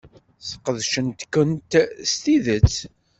Sqedcent-kent s tidet.